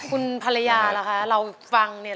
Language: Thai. คุณภรรยาล่ะคะเราฟังเนี่ย